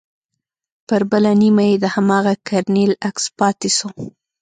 پر بله نيمه يې د هماغه کرنيل عکس پاته سو.